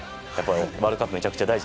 ワールドカップでめちゃくちゃ大事。